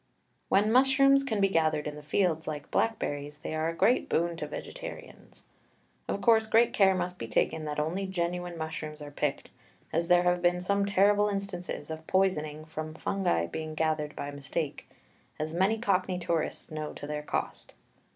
When mushrooms can be gathered in the fields like black berries they are a great boon to vegetarians. Of course, great care must be taken that only genuine mushrooms are picked, as there have been some terrible instances of poisoning from fungi being gathered by mistake, as many Cockney tourists know to their cost.